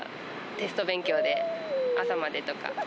テスト勉強で朝までとか。